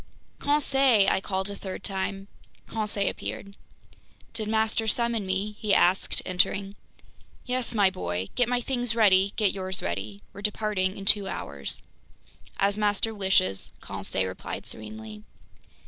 "Conseil!" I called a third time. Conseil appeared. "Did master summon me?" he said, entering. "Yes, my boy. Get my things ready, get yours ready. We're departing in two hours." "As master wishes," Conseil replied serenely.